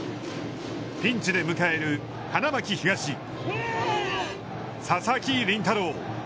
ピンチで迎える花巻東・佐々木麟太郎。